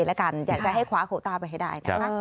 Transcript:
อยากจะให้คว้าโคตราไปให้ได้